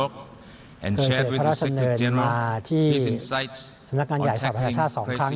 เขาเชื่อมภาพรัฐชาติธรรมมาที่สำนักงานใหญ่สัพพยาชาติสองครั้ง